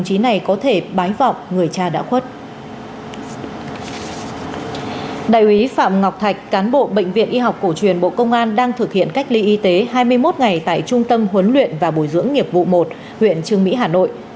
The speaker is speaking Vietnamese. đại úy phạm ngọc thạch cán bộ bệnh viện y học cổ truyền bộ công an đang thực hiện cách ly y tế hai mươi một ngày tại trung tâm huấn luyện và bồi dưỡng nghiệp vụ một huyện trương mỹ hà nội